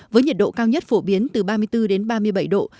với nhiệt độ cao nhất phổ biến từ ba mươi bốn đến ba mươi bảy độ